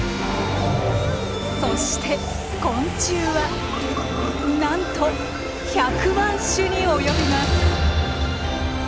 そして昆虫はなんと１００万種に及びます。